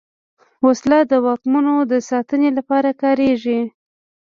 وسله د واکمنو د ساتنې لپاره کارېږي